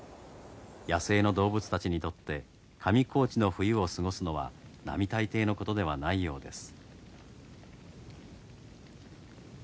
野生の動物たちにとって上高地の冬を過ごすのは並大抵のことではないようです。